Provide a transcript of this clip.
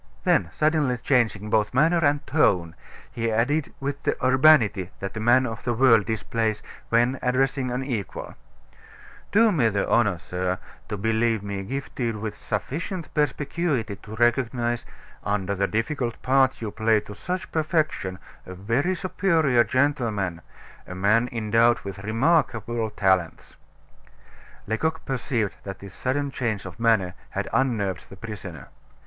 Then, suddenly changing both manner and tone, he added with the urbanity that a man of the world displays when addressing an equal: "Do me the honor, sir, to believe me gifted with sufficient perspicuity to recognize, under the difficult part you play to such perfection, a very superior gentleman a man endowed with remarkable talents." Lecoq perceived that this sudden change of manner had unnerved the prisoner.